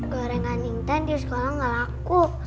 goren kan intan di sekolah gak laku